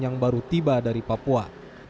yang baru tiba dari papua